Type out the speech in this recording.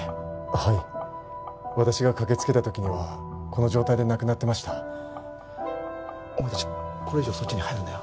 はい私が駆けつけたときにはこの状態で亡くなってましたお前達これ以上入るなよ